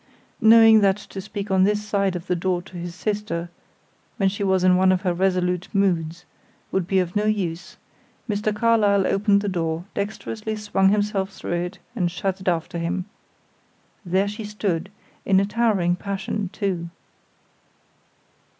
Knowing that to speak on this side the door to his sister, when she was in one of her resolute moods, would be of no use, Mr. Carlyle opened the door, dexterously swung himself through it, and shut it after him. There she stood; in a towering passion, too.